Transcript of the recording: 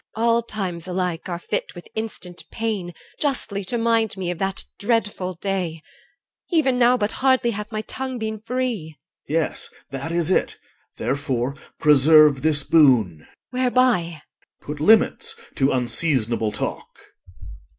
EL. All times alike are fit with instant pain I 2 Justly to mind me of that dreadful day; Even now but hardly hath my tongue been free. OR. Yes, that is it. Therefore preserve this boon. EL. Whereby? OR. Put limits to unseasonable talk.